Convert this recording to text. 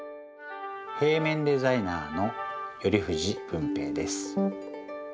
平面デザイナーの寄藤文平です。